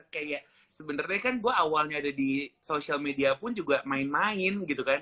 kayak sebenarnya kan gue awalnya ada di social media pun juga main main gitu kan